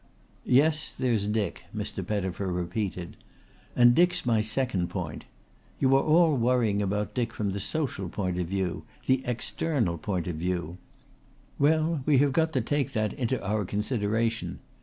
"Yes, there's Dick," Mr. Pettifer repeated. "And Dick's my second point. You are all worrying about Dick from the social point of view the external point of view. Well, we have got to take that into our consideration.